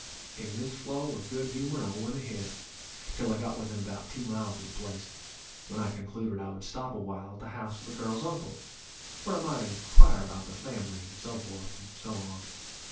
In this flow of good humour I went ahead, till I got within about two miles of the place, when I concluded I would stop awhile at the house of the girl's uncle; where I might enquire about the family, and so forth, and so on.